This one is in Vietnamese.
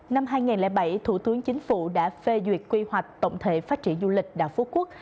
năm hai nghìn bảy thủ tướng chính phủ đã phê duyệt quy hoạch tổng thể phát triển du lịch đảo phú quốc